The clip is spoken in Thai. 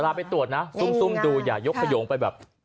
ไปตรวจนะซุ่มดูอย่ายกขยงไปแบบ